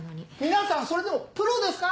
皆さんそれでもプロですか